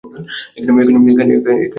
এখানে গুলি করুন!